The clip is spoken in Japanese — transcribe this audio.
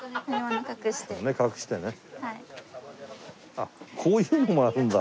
あっこういうのもあるんだ。